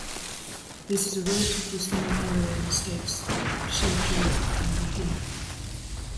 This is a relatively small area in the states of Sergipe and Bahia.